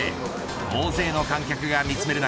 大勢の観客が見詰める中